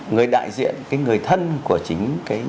người đại diện cái người thân của chính cái